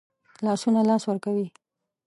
لاسونه لاس ورکوي